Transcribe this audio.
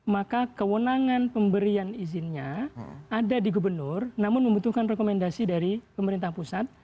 maka kewenangan pemberian izinnya ada di gubernur namun membutuhkan rekomendasi dari pemerintah pusat